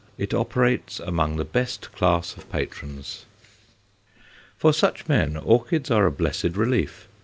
It operates among the best class of patrons. For such men orchids are a blessed relief.